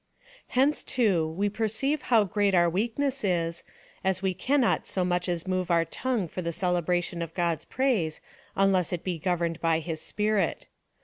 '' Hence, too, we j)er ceive how great our weakness is, as we cannot so much as move our tongue for the celebration of God's praise, unless it be governed by his Spirit.